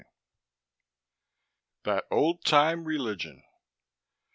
12 "That old time religion."